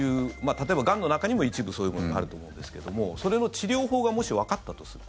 例えば、がんの中にも一部そういうものがあると思うんですけどもそれの治療法がもしわかったとする。